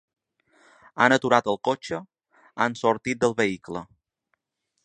Han aturat el cotxe, han sortit del vehicle.